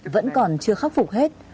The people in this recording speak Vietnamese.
vẫn còn chưa khắc phục hết